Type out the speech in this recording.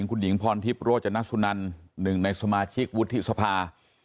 คุณหญิงพรทิพย์โรจนสุนันหนึ่งในสมาชิกวุฒิสภา